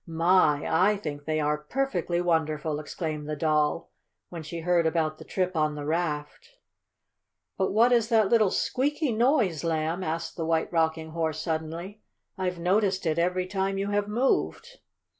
"My, I think they are perfectly wonderful!" exclaimed the Doll, when she heard about the trip on the raft. "But what is that little squeaky noise, Lamb?" asked the White Rocking Horse suddenly. "I've noticed it every time you have moved."